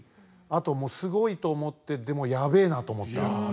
あともうすごいと思ってでもやべえなと思った。